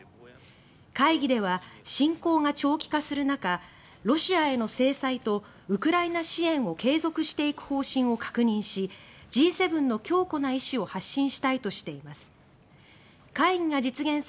会議では侵攻が長期化する中ロシアへの制裁とウクライナ支援を継続していく方針を確認しＧ７の強固な意思を発信したいとしています。